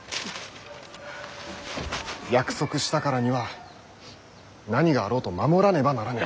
約束したからには何があろうと守らねばならぬ。